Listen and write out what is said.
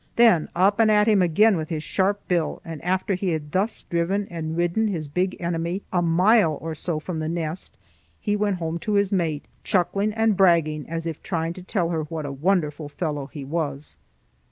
Then, up and at him again with his sharp bill; and after he had thus driven and ridden his big enemy a mile or so from the nest, he went home to his mate, chuckling and bragging as if trying to tell her what a wonderful fellow he was.